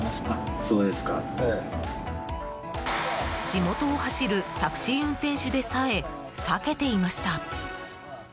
地元を走るタクシー運転手でさえ避けていました。